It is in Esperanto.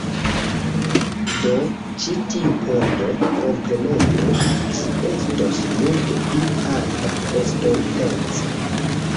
Do, ĉi tiu pordo, kompreneble, ĝi estos multe pli alta, estontece